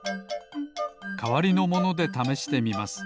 かわりのものでためしてみます。